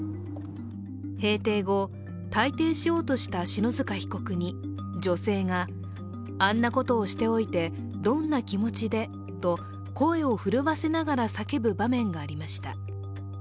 閉廷後、退廷しようとした篠塚被告に女性があんなことをしておいてどんな気持ちでと声を震わせながら叫ぶ場面がありました。